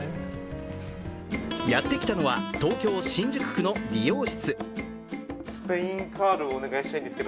やってきたのは東京・新宿区の美容室。